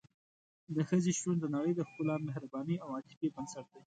د ښځې شتون د نړۍ د ښکلا، مهربانۍ او عاطفې بنسټ دی.